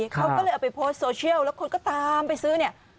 เขาก็เลยเอาไปโพสต์โซเชียลแล้วคนก็ตามไปซื้อเนี่ย